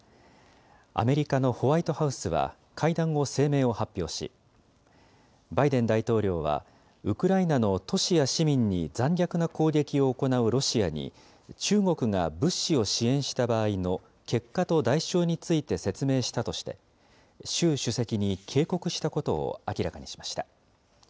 アメリカのホワイトハウスは、会談後、声明を発表し、バイデン大統領は、ウクライナの都市や市民に残虐が攻撃を行うロシアに、中国が物資を支援した場合の結果と代償について説明したとして、習主席に警告したことを明らかにしました。